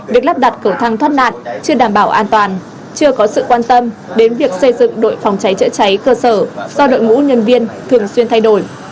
việc lắp đặt cầu thang thoát nạn chưa đảm bảo an toàn chưa có sự quan tâm đến việc xây dựng đội phòng cháy chữa cháy cơ sở do đội ngũ nhân viên thường xuyên thay đổi